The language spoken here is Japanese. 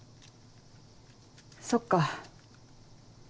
そっか。